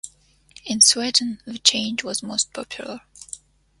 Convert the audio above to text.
In Sweden the change was most popular.